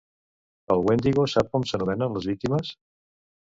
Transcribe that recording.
El Wendigo sap com s'anomenen les víctimes?